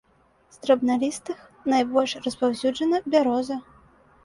З драбналістых найбольш распаўсюджана бяроза.